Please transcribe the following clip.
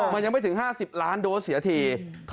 มันยังไม่ถึง๕๐ล้านโดสเสียที